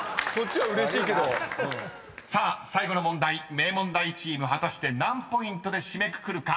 ［名門大チーム果たして何ポイントで締めくくるか］